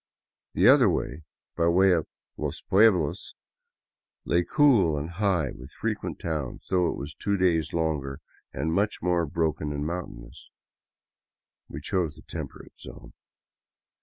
The other, by way of " los pueblos," lay cool and high, with frequent towns, though it was two days longer and much more broken and mountainous. We chose the temperate zone.